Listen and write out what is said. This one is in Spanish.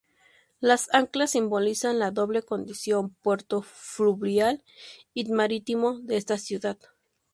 Las anclas simbolizan la doble condición puerto fluvial y marítimo de esta ciudad.